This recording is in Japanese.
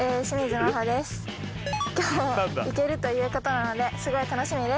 今日行けるということなのですごい楽しみです。